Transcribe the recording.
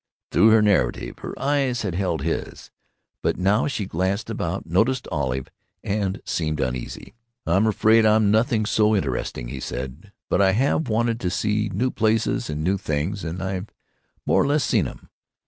Through her narrative, her eyes had held his, but now she glanced about, noted Olive, and seemed uneasy. "I'm afraid I'm nothing so interesting," he said; "but I have wanted to see new places and new things—and I've more or less seen 'em.